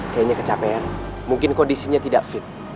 kayaknya kecapean mungkin kondisinya tidak fit